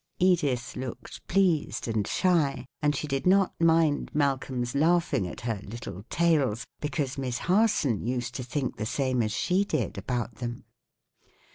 Edith looked pleased and shy, and she did not mind Malcolm's laughing at her "little tails," because Miss Harson used to think the same as she did about them.